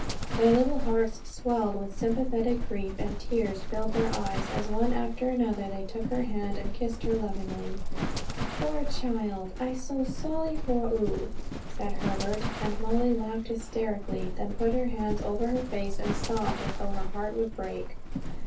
Their little hearts swelled with sympathetic grief, and tears filled their eyes as one after another they took her hand and kissed her lovingly. "Poor child, I so solly for oo!" said Herbert, and Molly laughed hysterically, then put her hands over her face, and sobbed as though her heart would break.